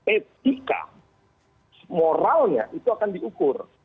etika moralnya itu akan diukur